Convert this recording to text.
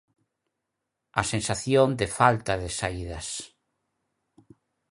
A sensación de falta de saídas.